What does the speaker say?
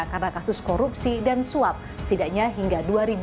karena kasus korupsi dan suap setidaknya hingga dua ribu dua puluh